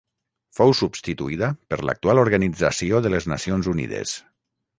fou substituïda per l'actual Organització de les Nacions Unides